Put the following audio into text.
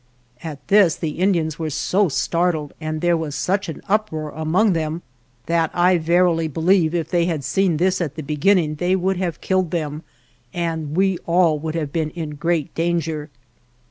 At this the Indians were so startled, and there was such an uproar among them, that I verily believe if they had seen this at the beginning they would have killed them, and we all would have been in great danger.